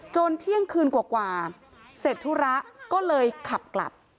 เที่ยงคืนกว่าเสร็จธุระก็เลยขับกลับ